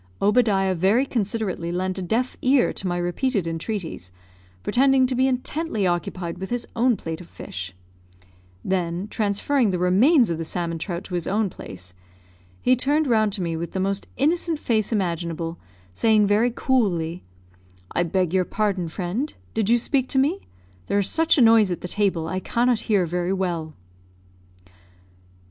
Obadiah very considerately lent a deaf ear to my repeated entreaties, pretending to be intently occupied with his own plate of fish; then, transferring the remains of the salmon trout to his own place, he turned round to me with the most innocent face imaginable, saying very coolly, "I beg your pardon, friend, did you speak to me? There is such a noise at the table, I cannot hear very well."